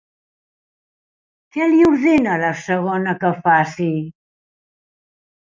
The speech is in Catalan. Què li ordena la segona que faci?